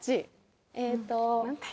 えっと。